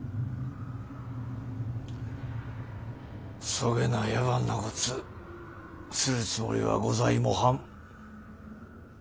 そげな野蛮なこつするつもりはございもはん。